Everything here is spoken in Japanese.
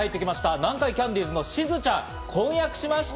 南海キャンディーズのしずちゃん、婚約しました。